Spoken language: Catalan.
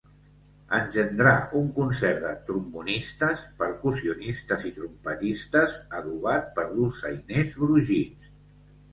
Engendrar un concert de trombonistes, percussionistes i trompetistes, adobat per dolçainers brogits.